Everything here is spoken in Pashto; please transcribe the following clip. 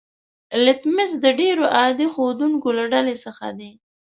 لتمس د ډیرو عادي ښودونکو له ډلې څخه دی.